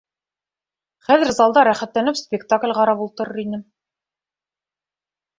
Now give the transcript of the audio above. Хәҙер залда рәхәтләнеп спектакль ҡарап ултырыр инем!..